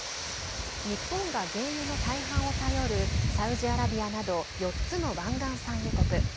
日本が原油の大半を頼るサウジアラビアなど４つの湾岸産油国。